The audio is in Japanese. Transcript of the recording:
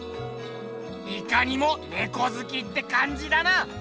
いかにもネコずきってかんじだな。